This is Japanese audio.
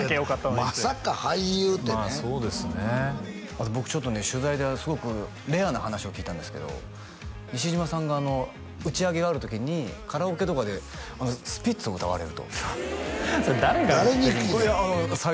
あと僕ちょっとね取材ですごくレアな話を聞いたんですけど西島さんが打ち上げがある時にカラオケとかでスピッツを歌われるとそれ誰が言ってるんですか？